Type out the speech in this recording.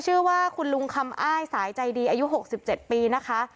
ชื่อว่าคุณลุงคำอ้ายสายใจดีอายุ๖๗ปีนะคะ